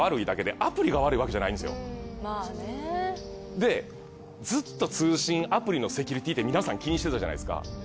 でずっと通信アプリのセキュリティーって皆さん気にしてたじゃないですか。